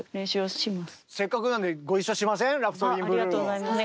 ありがとうございます。